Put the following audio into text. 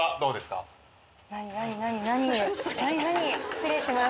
失礼します。